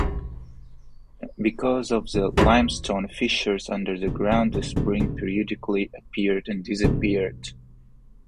Because of the limestone fissures under the ground, the spring periodically appeared and disappeared.